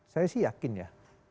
saya sih yakin ya